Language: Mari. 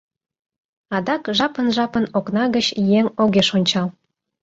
Адак жапын-жапын окна гыч еҥ огеш ончал.